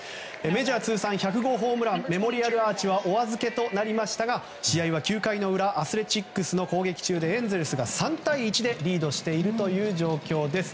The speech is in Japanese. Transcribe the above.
メジャー通算１００号ホームランメモリアルアーチはおあずけとなりましたが試合は９回の裏アスレチックスの攻撃中でエンゼルスが３対１でリードしている状況です。